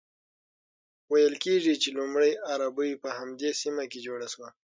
ویل کیږي چې لومړۍ اربۍ په همدې سیمه کې جوړه شوه.